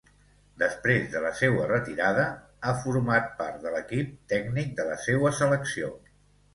Després de la seua retirada, ha format part de l'equip tècnic de la seua selecció.